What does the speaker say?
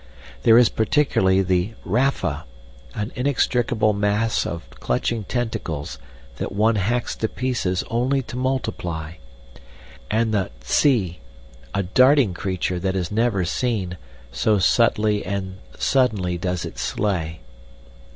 There is particularly the Rapha, an inextricable mass of clutching tentacles that one hacks to pieces only to multiply; and the Tzee, a darting creature that is never seen, so subtly and suddenly does it slay..."